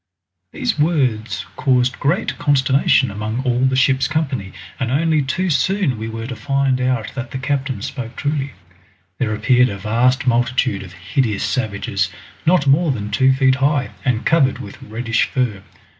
These words caused great consternation among all the ship's company, and only too soon we were to find out that the captain spoke truly. There appeared a vast multitude of hideous savages, not more than two feet high and covered with reddish fur.